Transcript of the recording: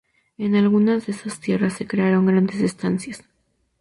En algunas de esas tierras se crearon grandes estancias.